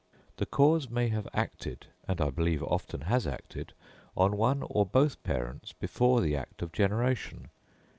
The cause may have acted, and I believe often has acted, on one or both parents before the act of generation.